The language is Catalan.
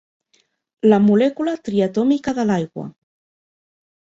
La molècula triatòmica de l'aigua.